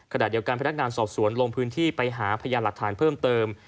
ขณะเดียวกันพนักงานสอบสวนลงพื้นที่ไปหาพยานหลักฐานเพิ่มเติม